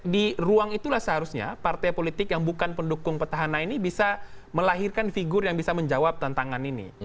di ruang itulah seharusnya partai politik yang bukan pendukung petahana ini bisa melahirkan figur yang bisa menjawab tantangan ini